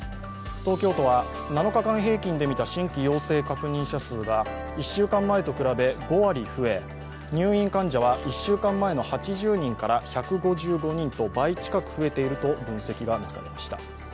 東京都は７日間平均で見た新規陽性確認者数が１週間前と比べ５割増え、入院患者は１週間前の８０人から１５５人と倍近く増えていると分析しました。